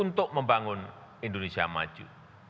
untuk membangun indonesia maju